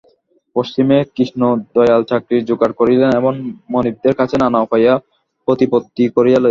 পশ্চিমে কৃষ্ণদয়াল চাকরির জোগাড় করিলেন এবং মনিবদের কাছে নানা উপায়ে প্রতিপত্তি করিয়া লইলেন।